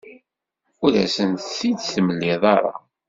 Ur asent-t-id-temliḍ ara.